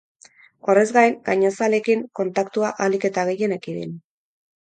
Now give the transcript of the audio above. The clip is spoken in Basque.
Horrez gain, gainazalekin kontaktua ahalik eta gehien ekidin.